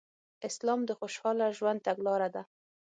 اسلام د خوشحاله ژوند تګلاره ده